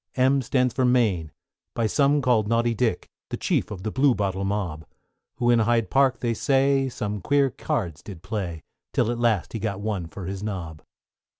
=M= stands for Mayne, by some called Naughty Dick, The chief of the Bluebottle mob; Who in Hyde Park, they say, some queer cards did play, Till at last he got one for his nob.